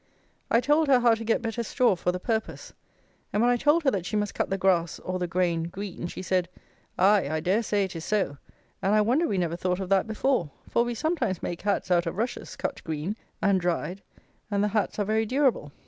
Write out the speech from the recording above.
I told her how to get better straw for the purpose; and when I told her that she must cut the grass, or the grain, green, she said, "Aye, I dare say it is so: and I wonder we never thought of that before; for we sometimes make hats out of rushes, cut green, and dried, and the hats are very durable."